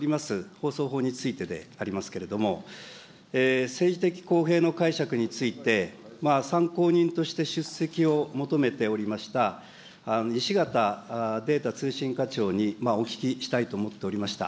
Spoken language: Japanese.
放送法についてでありますけれども、政治的公平の解釈について、参考人として出席を求めておりました、西潟データ通信課長にお聞きしたいと思っておりました。